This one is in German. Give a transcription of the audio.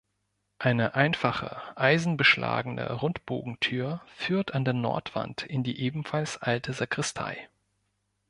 Eine einfache eisenbeschlagene Rundbogentür führt an der Nordwand in die ebenfalls alte Sakristei.